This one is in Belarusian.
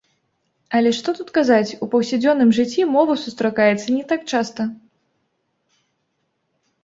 Але, што тут казаць, у паўсядзённым жыцці мова сустракаецца не так часта.